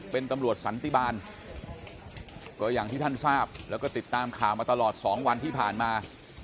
เป็นตำรวจสันติบาลก็อย่างที่ท่านทราบแล้วก็ติดตามข่าวมาตลอดสองวันที่ผ่านมา